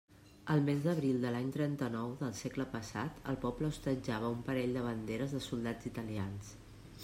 El mes d'abril de l'any trenta-nou del segle passat, el poble hostatjava un parell de banderes de soldats italians.